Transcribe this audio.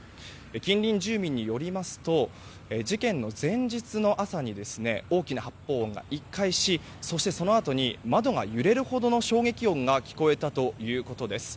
近隣住民によりますと事件の前日の朝に大きな発砲音が１回してそのあとに窓が揺れるほどの衝撃音が聞こえたということです。